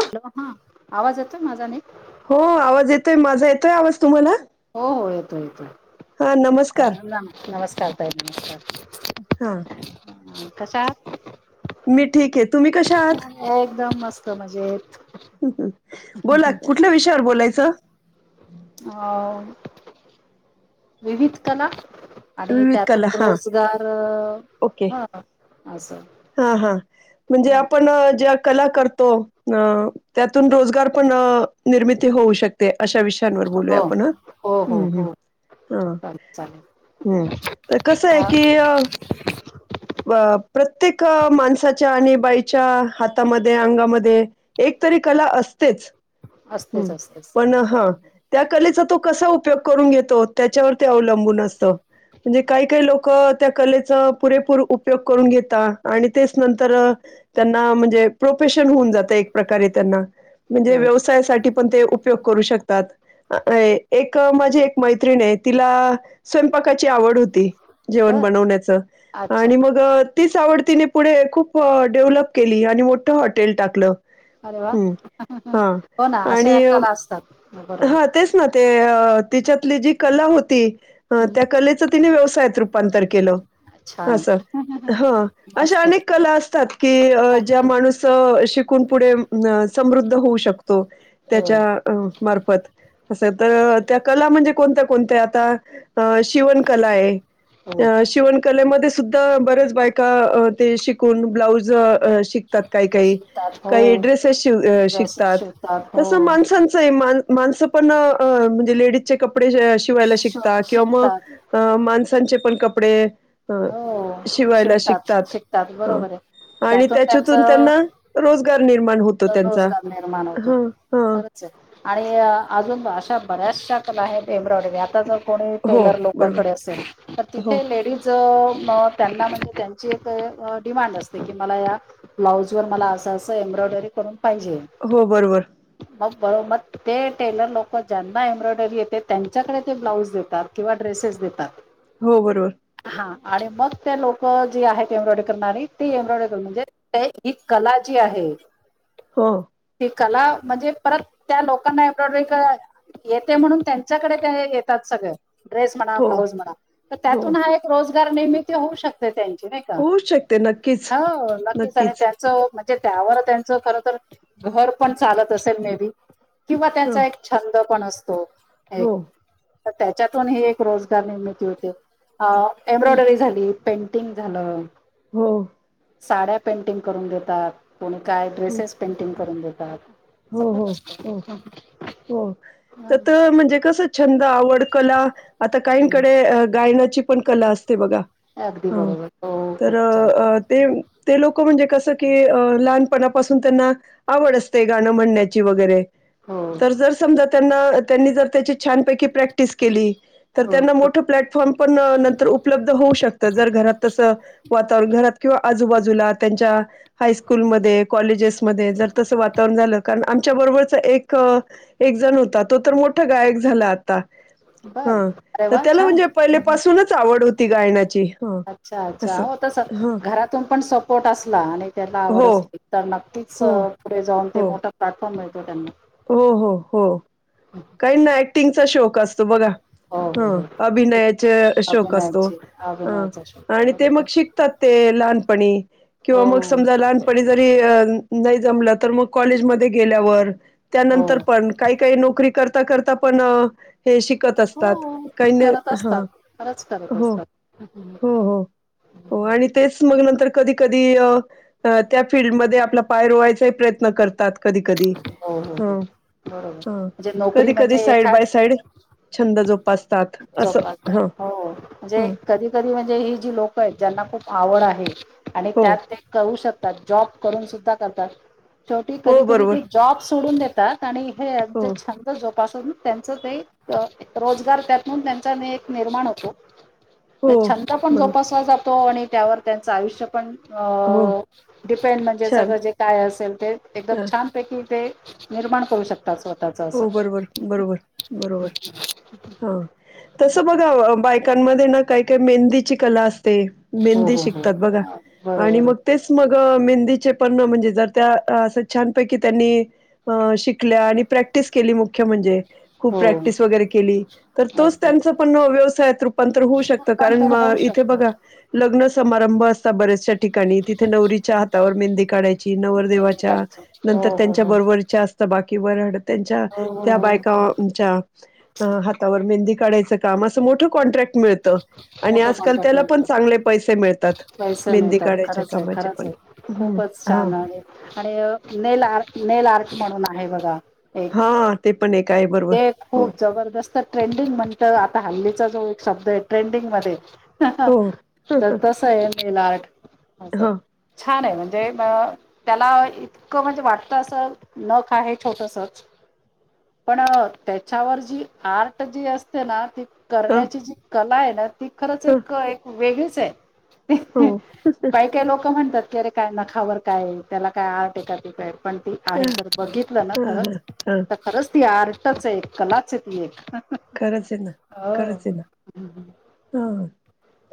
Hello हां आवाज येतोय माझा नीट? हो आवाज येतोय माझा येतोय आवाज? तुम्हाला होहो येतोय येतोय. हा अं नमस्कार लाम राम नमस्काल ताई हा नमस्कर... कश्या आहात? मी ठीके. एक दम मस्त मजेत. हं हम बोला कुठल्या विषयावर बोलायचं? अं विविध कला. आणि विविध कला त्यातून हा रोजगारअ हं हं. हां हां म्हंजे आपण ज्या कला करतो अं त्यातून रोजगार पणअ निर्मिती होऊ शकते. अशा विषयांवर बोलूया हो. आपण हां हो हो हम्म हम् हो हां. चालेल चालेल हम्म तर कसाय हा कीअ अ प प्रत्येक माणसाच्या आणि बाईच्या हातामध्ये, अंगामध्ये एकतरी कला अस... तेच असतेच असतेच पण हां त्या कलेचा.... तो कसा उपयोग करून घेतो त्याच्यावरती अवलंबून असतं. म्हंजे काही काही लोकअ त्या कलेच पुरेपूर उपयोग करून घेत...... ता आणि तेच नंतरअ त्यांना म्हंजे प्रोफेशन हुन जात एक प्रकारे त्यांना....... म्हंजे हो व्यवसायासाठी पण ते उपयोग करू शकतात. अंअ एक माझी एक मैत्रिणे तिलाआ स्वयंपाकाची आवड होती. जेवण बर बणवण्याचं अच्छा आणि मग तीच आवडतीने पुढे खूपअ डेव्हलप केली आणि मोठं हॉटेल टाकलं. अरे वा हं होना अशाया कला असतात. बरोबर हां तेचना तेअ तिच्यातली जी कला होती अं हम्म त्या कलेच.... तिने व्यवसायात रूपांतर केलं. छान असं हं अशा मस्त अनेक कला असतात की अ हो ज्या माणूसअ शिक.... कून पुढे अमं न समृद्ध होऊ शकतो हो त्याच्या अ असंत् त्या कला म्हंजे कोनत्या कोनत्या आता. अ शिवणकलाय हो अ शिवणकलेमध्ये स सुद्धा बरेच बायका अते शिकून ब्लाऊज अ शिकतात काई काई शिवतात हो काइ ड्रेसेस शिव अ ड्रेसेस शिकतात शिवतात तसं हो माणसांचय मा माणसंपणं अ म्हंजे लेडीजचे कप कपडे अ शिवायला शिव शिकतात किंवा म शिकतात अ माणसांचे पण कपडे अ हो शिवायला शिवतात शिकतात ह बरोबर आहे आणि त्यातून त्याच्यातून त्यांचं त्यांना रोजगार निर्माण होतो त्यांचा रोजगार निर्माण होतो हा हा खरंच आणि अजून अशा बऱ्याचशा कला आहेत भमब्रॉवडीने आता ज कोणी हो, टेलर बरोबर. लोककडे असेल तर हो, तिथे लेडीज त्यांना म्हणजे त्यांची एक डिमांड असते की मला या ब्लाउज वर मला अस अस एम्ब्रॉयडरी करून पाहिजे हो, बरोबर. मग बरो म ते टेलर लोक ज्यांना एम्ब्रॉयडरी येते त्यांच्याकडे ते ब्लाऊज देतात किंवा ड्रेसेस देतात हो बरोबर हा आणि मग त्या लोक जी आहेत एम्ब्रॉयडरी करणारी ती एम्ब्रॉयडरी कर म्हणजे ही कला आजीआहे हा कला म्हणजे परत त्या लोकांना एवढ येते म्हणून त्यांच्याकडे काय येतात सगळे ड्रेस म्हणा हो, ब्लाऊज म्हणा तर हो. त्यातून हा एक रोजगार निर्मिती होऊ शकते त्यांची नाही का होऊ शकते नक्कीच, हो नक्कीच आणि त्याच म्हणे त्यावर त्यांच खर तर घर पण चालत असेल मे बी किंवा हो त्याचा एक छंद पण असतो एक हो तर त्याच्यातून हे एक रोजगार निर्मिती होते एम्ब्रॉयडरी झाली पेंटिंग झालं होा साड्या पेंटिंग करून देतात कोणी काय ड्रेसेस पेंटिंग करून देतात असं हो खूप हो असतं हो हो तर म्हणजे कस छंद आवड कला आता काहीकडे गायनाची पण कला अस ते बघा हा अगदी बरोबर हो खूप छान तर ते लोक म्हणजे कसं की लहानपणापासून त्यांना आवड असतेय गाणं म्हणण्याची वगैरे हो तर जर समजा त्यांना त्यांनी जर त्या छान पैकी प्रॅक्टिस केली तर हो त्यांना मोठ प्लॅटफॉर्म पण नंतर उपलब्ध होऊ शकत जर वातावरण घरात किंवा आजूबाजूला त्यांच्या हायस्कूलमध्ये कॉलेजेसमध्ये जर तस वा झालं कारण आमच्या बरोबरच एक एक जण होता तो तर मोठा गायक झाला आता बर हा अरे तर वा त्याला छान म्हणजे पहिले पाासूनच आवड होती गायण्याची अच्छा अच्छा हो तस घरातून पण सपोर्ट असला आणि त्याला आवड हो असली तर तीच हो पुढे जाऊन ते हो मोठा प्लॅटफॉर्म मिळतो त्यांना हो हो हो काही ना ऍक्टिंगचा शोक असतो बघा हो हो हा हो अभिनयाचा शोक असतो अभिनयाची ह अभिनयाचा शोध आणि ते मग बरोबर शिकतात ते लहानपणी किंवा हो मग समजा लहानपणी जरी अ नाही जमलं तर मग कॉलेजमध्ये गेल्यावर हो त्यानंतर पण काही काही नोकरी कर करता पण हे शिकत हो असतात काही न करत ह असतात खरंच करत हो असतात. हो हो हो आणि तेच मग नंतर कधी कधी त्या फिल्डमध्ये आपला पाय रोवायचा प्रयत्न करतात कधी कधी हो बरोबर हा म्हणजे नोकरी कधी कधी म्हणजे साईड एखाद बाय साईड छंद जोपासतात असं जोपासतात ह हो हो जे ह कधी कधी म्हणजे ही जी लोक आहेत ज्यांना खूप आवड आहे आणि हो त्यात ते करू शकतात जॉब करून सुद्धा करतात शेवटी हो कधी कधी ते बरोबर जॉब्स सोडून देतात आणि हे हो जे छंद जोपासून त्यांच ते रोजगार त्या म्ह त्यांचा मी एक निर्माण होतो हो छंद पण बरोबर जोपासला जातो तो आणि त्यावर त्यांचं आयुष्य पण अ हो डिपेंड म्हणजे छान सगळं जे काय असेल ते एकदम ह छानपैकी ते निर्माण करू शकतात स्वतःच असं. हो बरोबर बरोबर बरोबर हा तसं बघा बायकांमध्ये ना काही काही मेहंदीची कला अस ते हो मेंदी हो हो शिकतात बघा आणि बरोबर मग तेच मग मेंदी प म्हणजे त्या छानपै त्यांनी शीकल्या आणि प्र टीस केली मुख्य म्हणजे खूप हो प्रॅक्टिस वगैरे केली तर तोच अगदी त्यांचापण व्यवसायात रूपा होऊ शकतं रूपांतर कारण होऊ इथे शकतं बघा लग्न समारंभ असता बाहेरचे ठिकाणी तिथे नवरीच्या हातावर मेहंदी काढायची पेरणी नवरदेवाच्या करायचं हो नंतर हो त्यांच्या हो बरोबरच्या असता बाकी ठी की वराड त्यांच्या हो हो त्या हो बायकांच्या हातावर मेहंदी काढायच काम अस मोठ कॉन्ट्रॅक्ट मिळत आणि मोठं आजकाल कॉन्ट्रॅक्ट त्याला पण मिळतं चांगले पैसे मिळतात. पैसे मेहंदी मिळतात काढायच्या खरच आहे कामाचे खरच पण आहे हम्म खूपच हा छान आणि nail art nail nail art म्हणून आहे बघा एक हा ते पण एक आहे बरोबर ते हो खूप जबरदस्त ट्रेंडिंग म्हणत आता हल्ली जो एक शब्द आहे ट्रेंडिंग मध्ये हो ह तर तस आहे नेल आर्ट. असल ह छान आहे म्हण ते न त्याला इतकं म्हणजे वाटत अस नख आहे छोटसच. पण त्याच्यावर जी आर्ट जी असते ना ती ह करण्याची जी कला आहे ना ती खरंच ह एक एक वेगळीच आहे. हो काही काही लोक म्हणतात की अरे काय नखावर काय त्याला काय आर्ट ए का ते काय पण ती आहे ह जर बघितलं ना ह खरंच ह तर खरंच ती आर टच ये कलाच ये ती एक. खरंच येना हो. खरंच येना.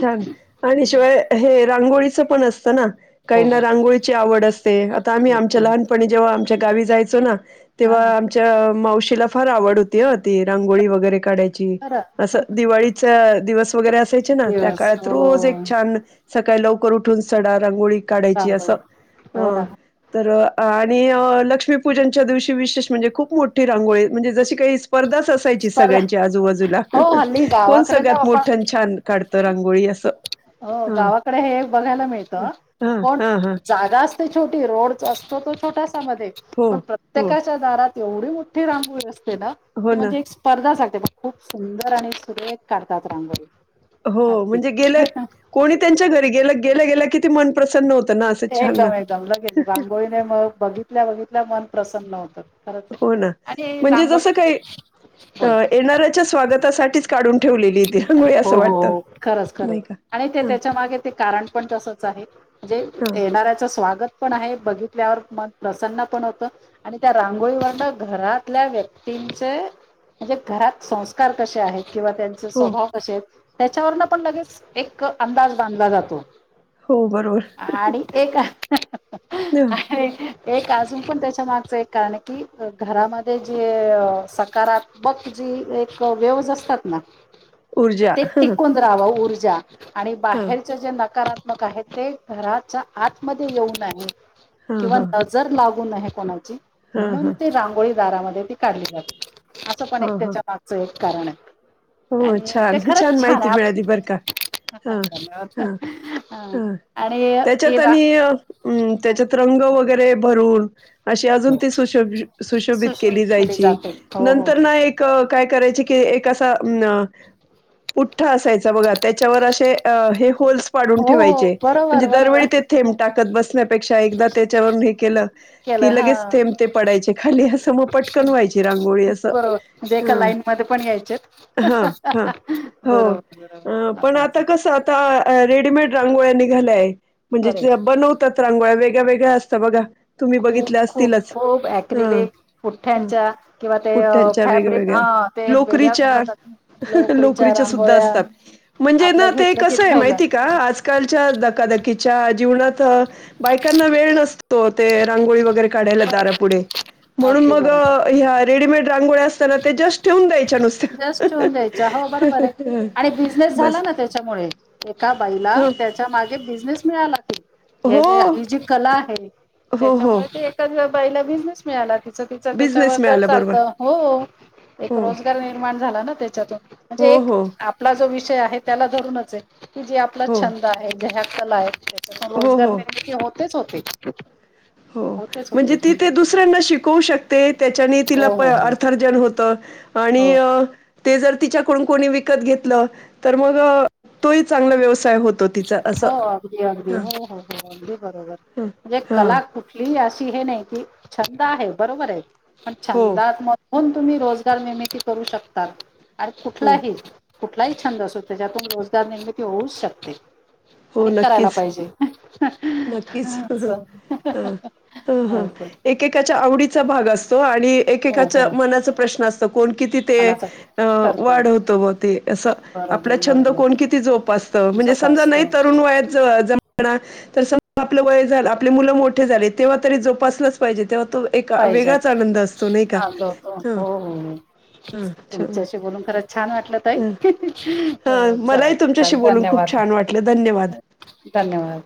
छान आणि शिवाय हे रांगोळीचं पण असतं ना. हो काहीना हो रांगोळीची आवड असते आता आम्ही तेच आमच्या तर. लहानपणी जेव्हा आमच्या गावी जायचो ना हा तेव्हा हा आमच्या मावशीला फार आवड होती ती रांगोळी वगैर वगैरे काढायची तर असं दिवाळीच्या दिवस वगैरे असायचे ना त्या दिवस काळात हो रोज एक छान सकाळी लवकर उठून सडा रांगोळी काढायची अस चांगल. अ हो ना तर आणि लक्ष्मीपूजनच्या दिवशी विशेष म्हणजे खूप मोठी रांगोळी म्हणजे जशी काही स्पर्धाच असायची. स्पर्धा सगळ्यांच्या आजूबाजूला हो हल्ली कोण गावाकडे ना सगळ्यात मोठ आपण छान काढतं रांगोळी असं. हो हा गावाकडे हे बघायला मिळत हा कोण हा हा जागा छीटी रोड असतो छोटसा मधे हो पण हो प्रत्येकाच्या दारात ऐवढी मोठी रांगोळी असते ना हो ती ना म्हणजे एक स्पर्धासाठी ते खूप सुंदर आणि सुरेख काढतात रांगोळी. हो अगदी म्हणजे गेलं कोणी त्यांच्या घरी गे गेलं गेल्या किती मन प्रसन्न होतं. ना असं छान ना एकदम एकदम लगेच रांगोळीने मग बघितल्या बघितल्या मन प्रसन्न होतं. खरंच आहे हो ना आणि म्हणजे जस रांगोळी काही बोला येणाऱ्याच्या स्वागतासाठी काढून दीली ती ह. हो हो खरंच खरंच आणि ते हा त्याच्या मागे ते कारण पण तसच आहे जे हा येणाऱ्याचं स्वागत पण आहे बघित त्यावर मन प्रसन्न पण होत आणि त्या रांगोळीवरड घरातल्या व्यक्तींचे म्हणजे घरात संस्कार कसे आहेत किंवा त्यांचे हो स्वभाव कशे त्याच्यावरन पण लगेच एक अंदाज बांधला जातो. हो बरोबर आणि एक आणि एक अजून पण त्याच्या मागचा एक कारण की घरामध्ये जे अ सकारात्मक एक वेवज असतात ना ऊर्जा ते हा टिकून राहाव ऊर्जा आणि हा बाहेरच्या जे नाकारा त्मक ते घराच्या आतमध्ये येऊ नाही हा किंवा हा नजर लाव कुण ना आहे कोणाची हा म्हणून हा ते रांगोळी दारामध्ये ती काढली जातं असं पण हा एक हा त्याच्या मागचं एक कारण आहे. हो आणि ते खरंच छान-छान छान माहिती आहे मिळाली बरं का? हा धन्यवाद हा हा आणि ते त्याच्यात रा आणि अ त्याच्यात रंग वगै रे भरून अशी अजून ती सुशोभि सुशोभित केली केले जायची जाते हो हो नंतर ना एक काय करायची की एक अ ता ना पुठठा असायचा बघा त्याच्यावर अशे हे होल्स पाडून हो हो ठेवायचे म्हणजे बरोबर बरोबर दरवेळी ते थेंब टा कत बसल्या पेक्षा एकदा त्याच्यावरून हे केलं केलं की हा लगेच थेंब ते पडायचे खाली हा समोर पटकन व्हायचे रांगोळी असं जे का हा लाईन मध्ये पण याय हा हा हो बरोबर अ बरोबर पण असायचं आता कसं आ रेडीमेड रांगोळ्या निघाल्याय अरे म्हणजे बनवतात रांगोळ्या वेगळ्या वेगळ्या असतात बघा तुम्ही खूप बघितल्या खूप असतीलच. खूप ह आक्रिलेक ह पुठ्ठ्यांच्या किंवा ते अ फॅब्रिक आ हा ते एक वेगळ्या आस नोकरीचा सुद्धा असतात म्हणजे आपलं ना ते घेतलं की कसं आहे ठेवलं माहिती का आजकालच्या दकाद कीच्या जीवनात बायकांना वेळ नसतो ते रांगोळी वगैरे काढायला बरोबर दारापुढे म्हणून अगदी मग बरोबर ह्या रेडीमेड रांगोळ्या असताना ते जस्ट ठेवून द्यायच्या नुसत्या ज्स्ट द्यायचा हो बरोबर हं, आणि बिझनेस झाला बस ना त्याच्यामुळे एका बाईला ह त्या च्या मागे बिझनेस मिळाला की ह्याच्या हो ही जी कला आहे हो हो त्याच्यामुळे ते एकाच बाईला बिझनेस मिळाला की तिचं त्याच्यावर बिझनेस घर मिळाला बरोबर चालतं हो. एक हो रोजगार निर्माण झाला ना त्याच्यातून म्हणजे हो एक हो आपला जो विष चय त्याला धरूनच आहे की जे आपला हो छंद आहे, घेया कला आहे त्यांना हो रोजगार हो मिळाले की होतेच होते. हो होतेच होते म्हणजे ती ते दुसऱ्यांना शिकवू शकते त्याच्याने तिला हो हो हो अर्थ अर्जन हो होत आणि हो अ ते जर तिच्याकडून कोणी विकत घेतलं तर मग तो ही चांगला व्यवस्थ हो अगदी अगदी हो हो हो अगदी बरोबर हां म्हणजे हां कला कु ठली अशी हे नाही की छंद आहे बरोबर आहे पण हो छंदात म होऊन तुम्ही रोजगार निर्मिती करू शकता आणि हो कुठलाही कुठलाही छंद असो च्यातून रोजगार निर्मिती होऊच शकते. हो आणि करायला नक्कीच पाहिजे. नक्कीच असं. हा हा हा असं एकेकाच्या आवडीचा भाग अस आणि हो हो एकेकाच्या मनाचा प्रश्न असतं कोण किती ते ए मनाचा करतो वाढवतो होत ब ते असं आपला बरोबर छंद कोण बरोबर किती जोप असतं म्हणजे समजा नाही जोपासतो. तरुण वयात ज जमणार तर समजलं आपलं वय झालं आपले मुलं मोठे झाले तेव्हा तरी जोप असलचं पाहिजे तेव्हा तो एक वेगळाच पाहिज्यात आनंद असतो नाही का? हा ग हं, हो हो. हं. छान. तुमच्याशी बोलून खरं छान वाटलं ताई. हं. हं. अ चाल मलाही तुमच्याशी चाल बोलून खूप धन्यवाद छान वाटलं. धन्यवाद. धन्यवाद!